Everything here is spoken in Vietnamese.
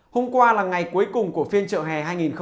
hôm qua là ngày cuối cùng của phiên trợ hè hai nghìn một mươi bảy